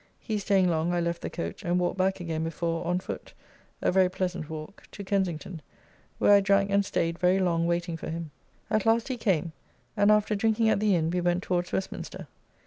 He staying long I left the coach and walked back again before on foot (a very pleasant walk) to Kensington, where I drank and staid very long waiting for him. At last he came, and after drinking at the inn we went towards Westminster.